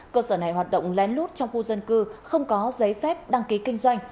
cơ sở này hoạt động lén lút trong khu dân cư không có giấy phép đăng ký kinh doanh